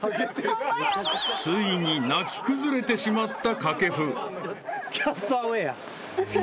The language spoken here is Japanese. ［ついに泣き崩れてしまった掛布］